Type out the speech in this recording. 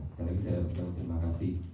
sekali lagi saya berterima kasih